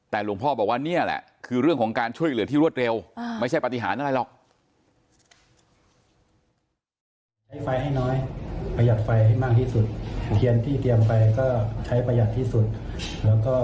แต่หลวงพ่อบอกว่านี่แหละคือเรื่องของการช่วยเหลือที่รวดเร็วไม่ใช่ปฏิหารอะไรหรอก